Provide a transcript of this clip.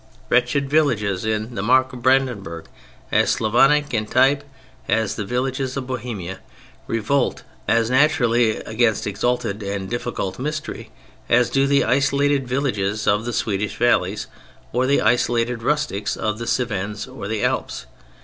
Wretched villages in the mark of Brandenburg, as Slavonic in type as the villages of Bohemia, revolt as naturally against exalted and difficult mystery as do the isolated villages of the Swedish valleys or the isolated rustics of the Cevennes or the Alps.